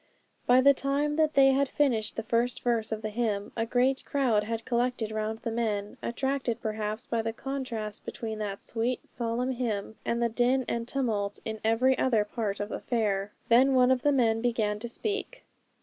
By the time that they had finished the first verse of the hymn, a great crowd had collected round the men, attracted perhaps by the contrast between that sweet, solemn hymn, and the din and tumult in every other part of the fair. Then one of the men began to speak.